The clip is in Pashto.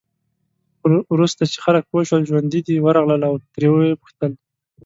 وروسته چې خلک پوه شول ژوندي دی، ورغلل او ترې یې وپوښتل.